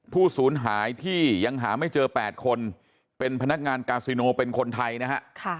ศูนย์หายที่ยังหาไม่เจอ๘คนเป็นพนักงานกาซิโนเป็นคนไทยนะฮะ